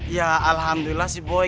ya alhamdulillah sih boy